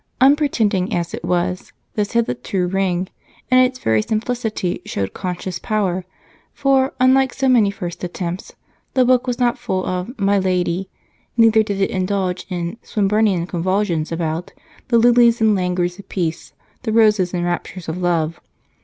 Unpretentious as it was, this had the true ring, and its very simplicity showed conscious power for, unlike so many first attempts, the book was not full of "My Lady," neither did it indulge in Swinburnian convulsions about "The lilies and languors of peace, The roses and raptures of love."